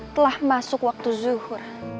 telah masuk waktu zuhur